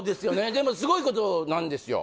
でもすごいことなんですよ